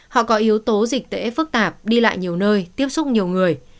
họ có yếu tố dịch tễ phức tạp đi lại nhiều nơi tiếp xúc nhiều người